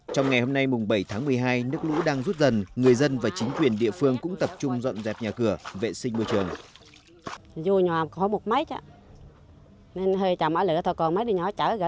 trong ngày hôm nay mùng bảy tháng một mươi hai nước lũ đang rút dần người dân và chính quyền địa phương cũng tập trung dọn dẹp nhà cửa vệ sinh môi trường